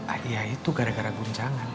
ah ya itu gara gara guncangan